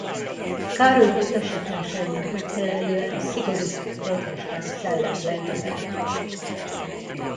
Károly utasításainak megfelelően szigorú protestáns szellemben nevelték.